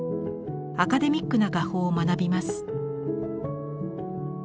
アカデミックな画法を学びます。